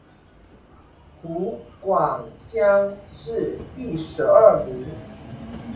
湖广乡试第十二名。